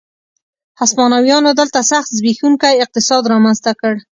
هسپانویانو دلته سخت زبېښونکی اقتصاد رامنځته کړ.